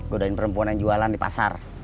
godain perempuan yang jualan di pasar